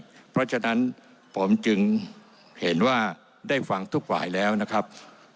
เพราะฉะนั้นผมจึงเห็นว่าได้ฟังทุกฝ่ายแล้วนะครับ